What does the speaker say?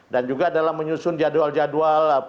dan juga dalam menyusun jadwal jadwal